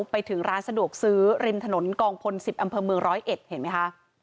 ไปถึงร้านสะดวกซื้อรินถนนกองพล๑๐อำเภอเมือง๑๐๑เห็นมั้ยคะ